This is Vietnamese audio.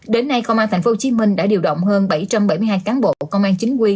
đến nay công an tp hcm đã điều động hơn bảy trăm bảy mươi hai cán bộ công an chính quy